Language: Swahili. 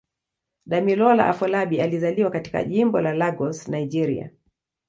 Damilola Afolabi alizaliwa katika Jimbo la Lagos, Nigeria.